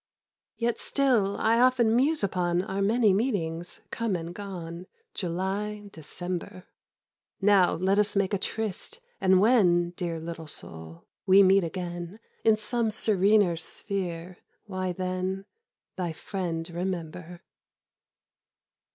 Yet still I often muse upon Our many meetings—come and gone! July—December! Now let us make a tryste, and when, Dear little soul, we meet again, In some serener sphere, why then— Thy Friend remember!